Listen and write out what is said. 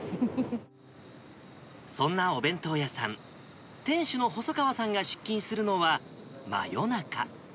そんなお弁当屋さん、店主の細川さんが出勤するのは、真夜中。